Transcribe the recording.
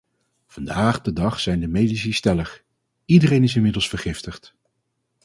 Vandaag de dag zijn de medici stellig: iedereen is inmiddels vergiftigd.